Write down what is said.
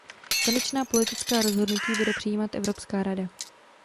Konečná politická rozhodnutí bude přijímat Evropská rada.